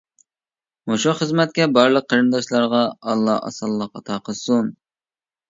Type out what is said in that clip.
مۇشۇ خىزمەتكە بارلىق قېرىنداشلارغا ئاللا ئاسانلىق ئاتا قىلسۇن!